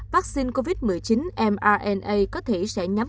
vaccine covid một mươi chín mana có thể sẽ nhắm